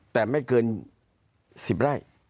แต่ไม่เกิน๑๐ไร่